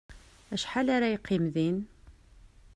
Acḥal ara yeqqim din?